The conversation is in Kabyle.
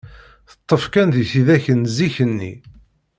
Teṭṭef kan di tidak n zik-nni.